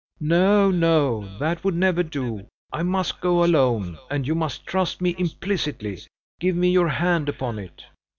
"No, no! that would never do! I must go alone, and you must trust me implicitly. Give me your hand upon it."